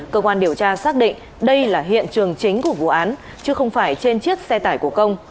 cơ quan điều tra xác định đây là hiện trường chính của vụ án chứ không phải trên chiếc xe tải của công